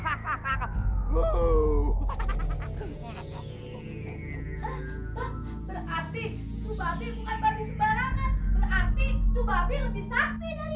berarti itu babi bukan babi sembarangan berarti itu babi lebih sakti dari abang